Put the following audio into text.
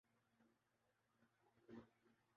جو کا سبب پاکستان کرکٹ تنزلی کرنا جانب گامزن ہونا